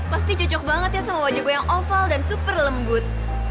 pasti cocok banget ya sama wajah gue yang oval dan super lembut